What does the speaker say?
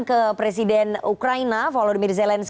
ke presiden ukraina